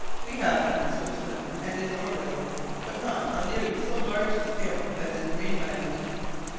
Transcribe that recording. We have them in Switzerland and in Norway, but not on nearly so large a scale as in Greenland.